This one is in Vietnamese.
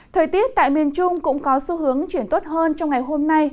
thời tiết tại miền trung cũng có xu hướng chuyển tốt hơn trong ngày hôm nay